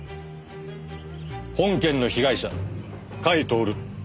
本件の被害者甲斐享。